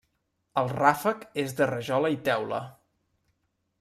El ràfec és de rajola i teula.